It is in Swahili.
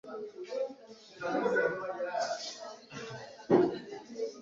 ambayo inapaswa kuulazimu Umoja wa Ulaya kujiimarisha